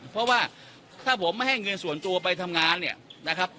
เพราะว่าถ้าผมไม่ให้เงินส่วนตัวไปทำงานเนี่ยนะครับ